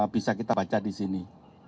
bisa kita baca di sini